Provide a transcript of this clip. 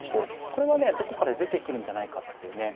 これはねどこかで出てくるんじゃないかっていうね